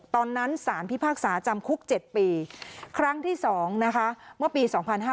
ตอนนั้นสารพิพากษาจำคุก๗ปีครั้งที่๒นะคะเมื่อปี๒๕๕๙